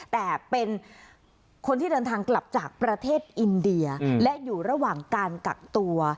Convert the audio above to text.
แต่เป็นคนที่เดินทางกลับจากประเทศอินเดียและอยู่ระหว่างการกักตัว